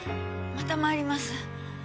また参ります。